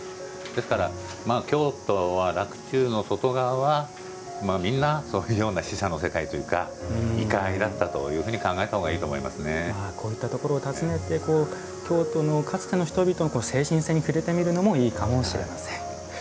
ですから、京都は洛中の外側はみんな、そのような死者の世界というか異界だったと考えたほうがこういったところを訪ねて京都のかつての人々の精神性に触れてみるのもいいかもしれません。